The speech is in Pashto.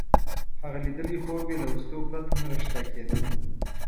هغه لیدلی خوب یې له وسلو پرته نه رښتیا کېده.